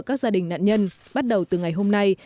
các gia đình nạn nhân bắt đầu từ ngày hôm nay